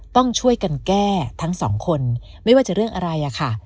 ต้องช่วยกันแก้ทั้งสองคนไม่ว่าจะเรื่องอะไรอะค่ะ